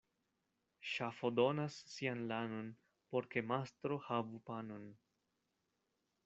Ŝafo donas sian lanon, por ke mastro havu panon.